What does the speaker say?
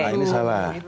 nah ini salah